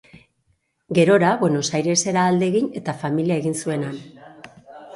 Gerora, Buenos Airesera alde egin eta familia egin zuen han.